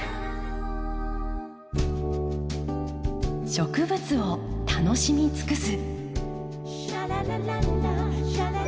植物を楽しみ尽くす。